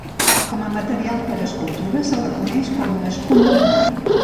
Com a material per escultura se la coneix com a escuma de mar.